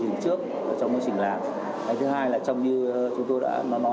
trong như chúng tôi đã nói trong họp báo